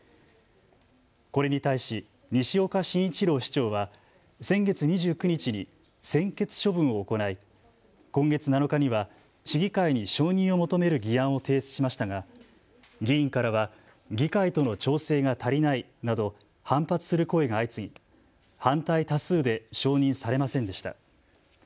これに対し西岡真一郎市長は先月２９日に専決処分を行い今月７日には市議会に承認を求める議案を提出しましたが議員からは議会との調整が足りないなど反発する声が相次ぎ反対多数で承認されませんでした。